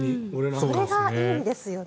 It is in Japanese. それがいいんですよね。